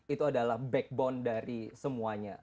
itu adalah backbone dari semuanya